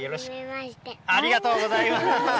ありがとうございます。